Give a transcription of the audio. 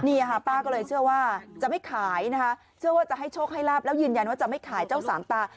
นี่ค่ะป้าก็เลยเชื่อว่าจะไม่ขายนะคะเชื่อว่าจะให้โชคให้ลาบแล้วยืนยันว่าจะไม่ขายเจ้าสามตา